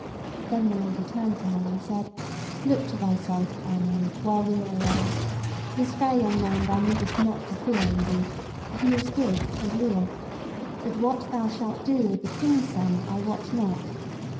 Then the Lady turned to her, and said: "Look to thyself, our Maid, while we are away. This fair young man thou needest not to fear indeed, for he is good and leal; but what thou shalt do with the King's Son I wot not.